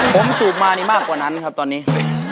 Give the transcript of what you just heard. ผมสูบมานี่มากกว่านั้นครับตอนนี้